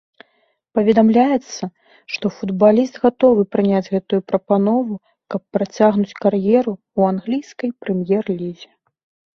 Паведамляецца, што футбаліст гатовы прыняць гэтую прапанову, каб працягнуць кар'еру ў англійскай прэм'ер-лізе.